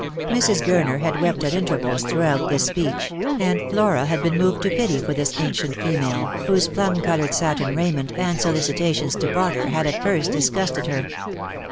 Mrs. Gurner had wept at intervals throughout this speech; and Flora had been moved to pity for this ancient female, whose plum coloured satin raiment and solicitations to barter had at first disgusted her.